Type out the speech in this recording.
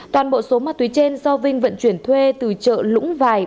toàn bộ số ma túy trên do vinh vận chuyển thuê từ chợ lũng vài